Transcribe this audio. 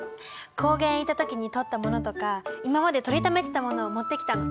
高原へ行った時に撮ったものとか今まで撮りためてたものをもってきたの。